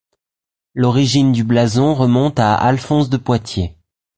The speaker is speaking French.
L'origine du blason remonte à Alphonse de Poitiers.